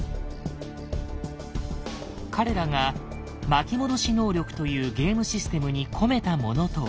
彼らが「巻き戻し能力」というゲームシステムに込めたものとは。